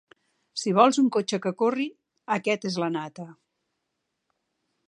Si vols un cotxe que corri, aquest és la nata.